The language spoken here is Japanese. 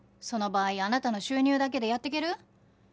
その場合あなたの収入だけでやっていける？